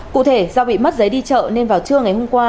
cụ thể do bị mất giấy đi chợ nên vào trưa ngày hôm qua